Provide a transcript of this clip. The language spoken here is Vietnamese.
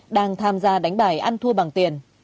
đang tham gia đánh bạc ăn thua bằng tiền